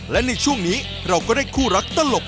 และในช่วงนี้เราก็ได้คู่รักตลก